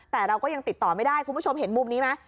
แต่เราก็ยังติดต่อไม่ได้คุณผู้ชมเห็นมุมนี้ไหม